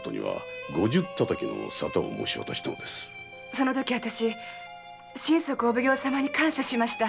そのとき私は心底お奉行様に感謝しました。